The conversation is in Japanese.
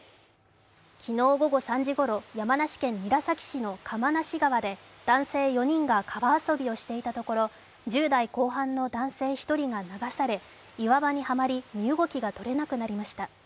昨日午後３時ごろ、山梨県韮崎市の釜無川で男性４人が川遊びをしていたところ１０代後半の男性１人が流され岩場にはまり、身動きが取れなくなりました。